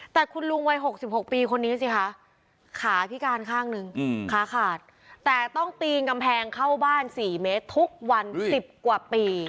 แต่คุณลุงวัย๖๖ปีคนนี้สิคะขาพิการข้างหนึ่งขาขาดแต่ต้องปีนกำแพงเข้าบ้าน๔เมตรทุกวัน๑๐กว่าปี